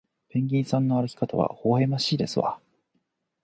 ペンギンさんの歩き方はほほえましいですわ